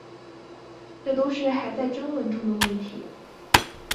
这都是还在争论中的问题。